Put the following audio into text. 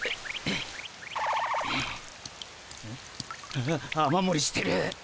ああっ雨もりしてる。